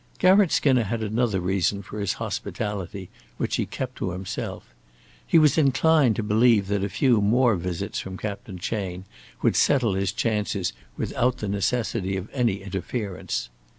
Garratt Skinner had another reason for his hospitality which he kept to himself. He was inclined to believe that a few more visits from Captain Chayne would settle his chances without the necessity of any interference.